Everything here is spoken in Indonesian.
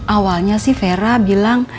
awalnya sih vera bilang